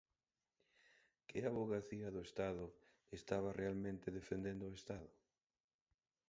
¿Que Avogacía do Estado estaba realmente defendendo o Estado?